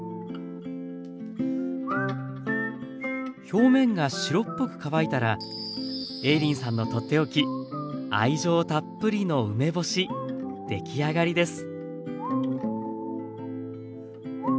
表面が白っぽく乾いたら映林さんのとっておき愛情たっぷりの梅干しできあがりです。